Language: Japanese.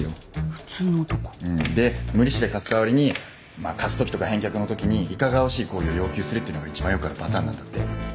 普通の男？で無利子で貸す代わりに貸す時とか返却の時にいかがわしい行為を要求するっていうのが一番よくあるパターンなんだって。